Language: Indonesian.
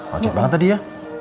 wajib banget tadi ya